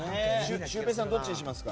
シュウペイさんどっちにしますか？